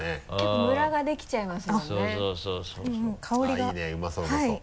あっいいねうまそううまそう。